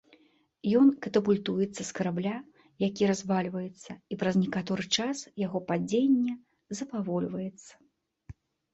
Ён катапультуецца з карабля, які развальваецца, і праз некаторы час яго падзенне запавольваецца.